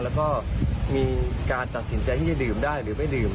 แล้วก็มีการตัดสินใจที่จะดื่มได้หรือไม่ดื่ม